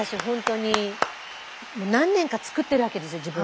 本当に何年か作ってるわけですよ